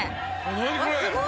何これ！？